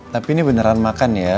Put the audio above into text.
tapi ini beneran makan ya